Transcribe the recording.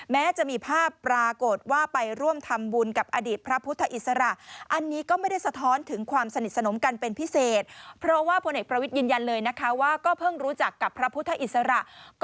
แม้จะมีภาพปรากฏว่าไปร่วมทำบุญกับอดีตพระพุทธอิสระ